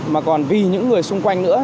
mà còn vì những người xung quanh nữa